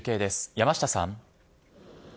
山下さん。